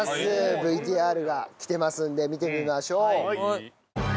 ＶＴＲが来てますんで見てみましょう。